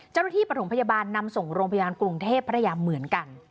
เจ้าหน้าที่ประถงพยาบาลนำส่งโรงพยาบาลกรุงเทพภรรยามเหมือนกัน